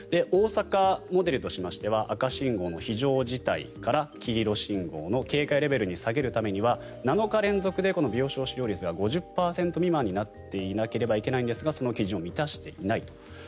大阪モデルとしては赤信号の非常事態から黄色信号の警戒レベルに下げるためには７日連続で病床使用率が５０％未満になっていなければいけないんですがその基準を満たしていないと。